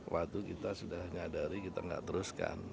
waktu kita sudah nyadari kita nggak teruskan